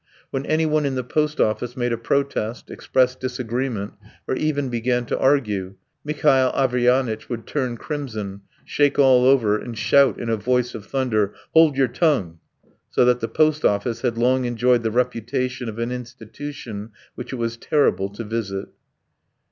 When anyone in the post office made a protest, expressed disagreement, or even began to argue, Mihail Averyanitch would turn crimson, shake all over, and shout in a voice of thunder, "Hold your tongue!" so that the post office had long enjoyed the reputation of an institution which it was terrible to visit.